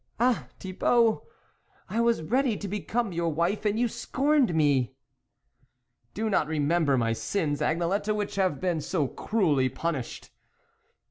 " Ah ! Thibault ! I was ready to be come your wife, and you scorned me !"" Do not remember my sins, Agnelette, which have been so cruelly punished."